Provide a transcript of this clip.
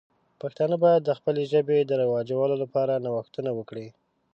پښتانه باید د خپلې ژبې د رواجولو لپاره نوښتونه وکړي.